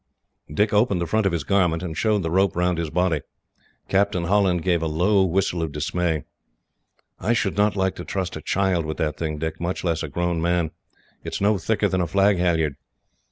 Dick opened the front of his garment, and showed the rope round his body. Captain Holland gave a low whistle of dismay. "I should not like to trust a child with that thing, Dick, much less a grown man. It is no thicker than a flag halliard."